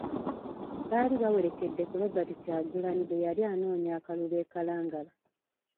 Baali bawerekedde ku Robert Kyagulanyi bwe yali anoonya akalulu e Kalangala.